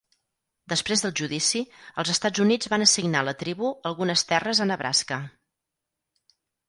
Després del judici, els Estats Units van assignar a la tribu algunes terres a Nebraska.